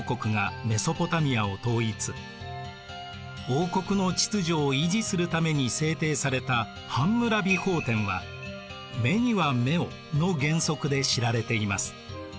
王国の秩序を維持するために制定されたハンムラビ法典は「目には目を」の原則で知られています。